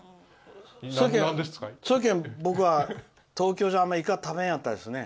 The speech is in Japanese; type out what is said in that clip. そやけん僕は東京じゃあんまりイカ食べんやったですね。